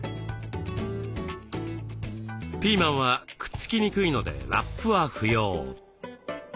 ピーマンはくっつきにくいのでラップは不要。